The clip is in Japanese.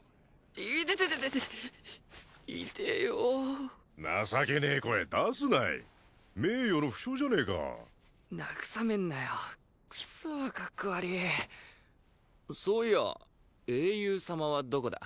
イテテテテテ痛えよ情けねえ声出すない名誉の負傷じゃねえか慰めんなよクソカッコ悪いそういや英雄様はどこだ？